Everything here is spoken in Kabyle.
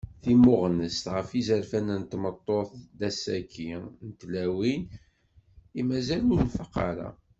Timmuɣnest ɣef yizerfan n tmeṭṭut d asaki n tlawin i mazal ur nfaq ara.